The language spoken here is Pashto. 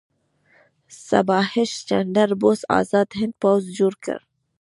سبهاش چندر بوس ازاد هند پوځ جوړ کړ.